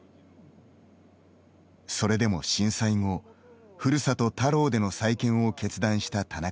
それでも震災後、ふるさと田老での再建を決断した田中さん。